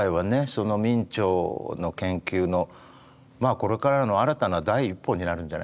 その明兆の研究のこれからの新たな第一歩になるんじゃないですか？